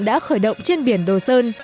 đã khởi động trên biển đồ sơn